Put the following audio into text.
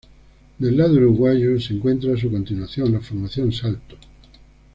Del lado uruguayo se encuentra su continuación, la Formación Salto.